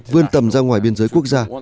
vươn tầm ra ngoài biên giới quốc gia